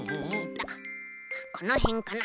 このへんかな？